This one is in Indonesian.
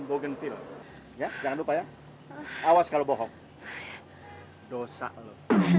bogenville ya jangan lupa ya awas kalau bohong dosa lu